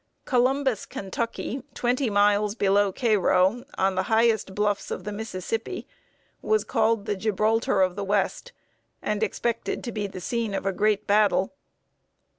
Columbus, Kentucky, twenty miles below Cairo, on the highest bluffs of the Mississippi, was called the Gibraltar of the West, and expected to be the scene of a great battle.